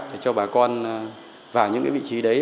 để cho bà con vào những cái vị trí đấy